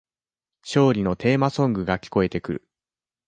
勝利のテーマソングが聞こえてくる